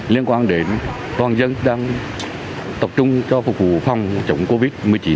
liên quan đến toàn dân đang tập trung cho phục vụ phòng chống covid một mươi chín